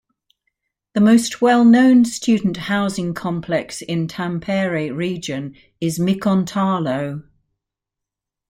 The most well-known student housing complex in Tampere region is Mikontalo.